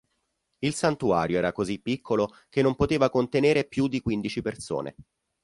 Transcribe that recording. Il santuario era così piccolo che non poteva contenere più di quindici persone.